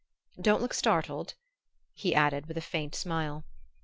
Don't look startled," he added with a faint smile.